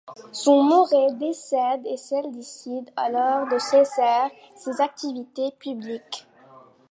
Son mari décède et elle décide alors de cesser ses activités publiques.